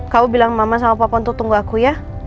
kamu bilang mama sama papa untuk tunggu aku ya